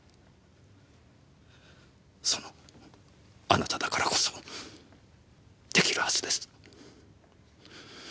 そのあなただからこそできるはずです。